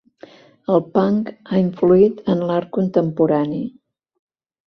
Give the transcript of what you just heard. El punk ha influït en l'art contemporani